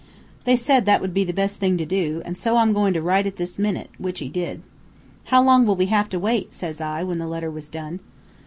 They said that would be the best thing to do, an so I'm goin' to write it this minute,' which he did. "'How long will we have to wait?' says I, when the letter was done.